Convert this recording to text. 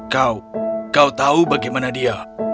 kau kau tahu bagaimana dia